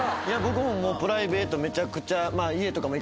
僕もプライベートめちゃくちゃ。